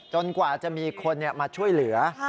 กว่าจะมีคนมาช่วยเหลือ